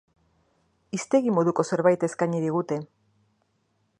Hiztegi moduko zerbait eskaini digute.